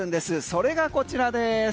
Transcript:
それがこちらです。